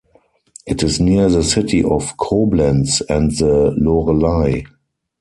It is near the city of Koblenz and the Lorelei.